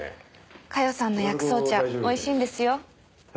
加代さんの薬草茶美味しいんですよ。